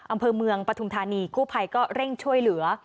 อำเภอเมืองปฐุมธานีกู้ภัยก็เร่งช่วยเหลือ